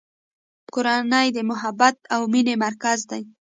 کورنۍ د محبت او مینې مرکز دی.